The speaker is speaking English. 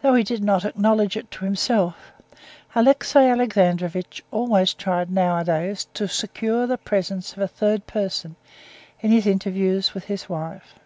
Though he did not acknowledge it to himself, Alexey Alexandrovitch always tried nowadays to secure the presence of a third person in his interviews with his wife.